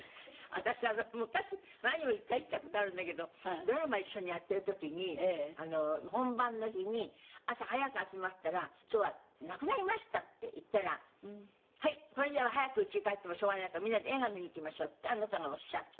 私は昔前にも１回言った事あるんだけどドラマ一緒にやってる時に本番の日に朝早く集まったら「今日はなくなりました」って言ったら「これじゃあ早く家に帰ってもしょうがないからみんなで映画見に行きましょう」ってあなたがおっしゃって。